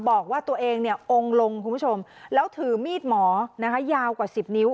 บอกว่าตัวเองเนี่ยองค์ลงคุณผู้ชมแล้วถือมีดหมอนะคะยาวกว่า๑๐นิ้ว